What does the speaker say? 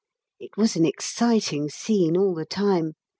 It was an exciting scene all the time.